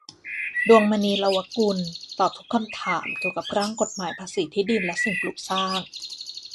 ดวงมณี เลาวกุล ตอบทุกคำถามเกี่ยวกับร่างกฎหมายภาษีที่ดินและสิ่งปลูกสร้าง